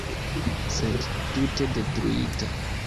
Sed, tute detruita.